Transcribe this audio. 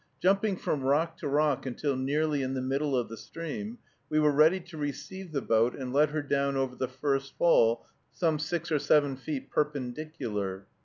Jumping from rock to rock until nearly in the middle of the stream, we were ready to receive the boat and let her down over the first fall, some six or seven feet perpendicular.